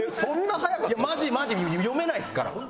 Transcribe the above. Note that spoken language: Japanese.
いやマジマジ読めないっすから。